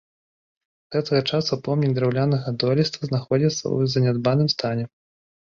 З гэтага часу помнік драўлянага дойлідства знаходзіцца ў занядбаным стане.